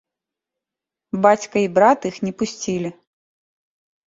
Бацька і брат іх не пусцілі.